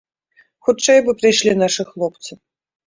Хутчэй бы прыйшлі нашы хлопцы.